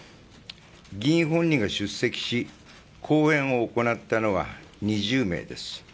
議員本人が出席し講演を行ったのは２０名です。